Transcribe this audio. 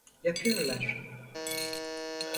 Yapıyorlar.